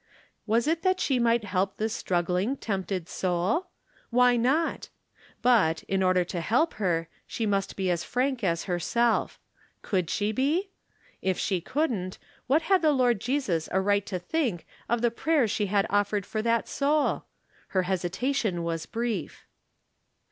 Was it that she might help this struggling, tempted soul? Why not? But, in order to help her, she must be as frank as herself. Could she be ? If 3S8 From Different Standpoints.. she couldn't, what had the Lord Jesus a right to thmk of the prayers that she had offered for that soul? Her hesitation was brief.